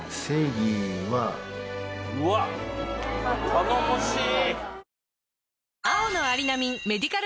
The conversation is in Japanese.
うわっ頼もしい！